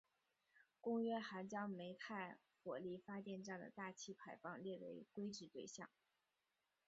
公约还将煤炭火力发电站的大气排放列为规制对象。